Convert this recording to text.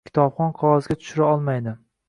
Kitobxon qog’ozga tushira olmaydi.